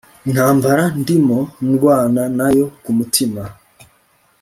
intambara ndimo ndwana nayo kumutima